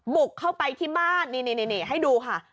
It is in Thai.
บุกเข้าไปที่บ้านนี่ให้ดูค่ะ